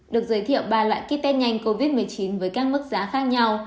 được giới thiệu ba loại kit test nhanh covid một mươi chín với các mức giá khác nhau